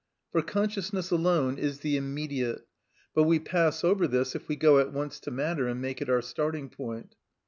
For consciousness alone is the immediate: but we pass over this if we go at once to matter and make it our starting point.